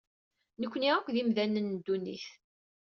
Nekni akk d imdanen n ddunit.